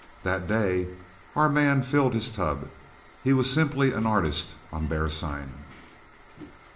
That day our man filled his tub. He was simply an artist on bear sign."